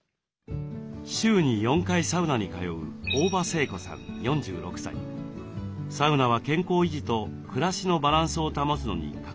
週に４回サウナに通うサウナは健康維持と暮らしのバランスを保つのに欠かせないといいます。